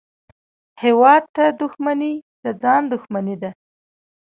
هېواد ته دښمني د ځان دښمني ده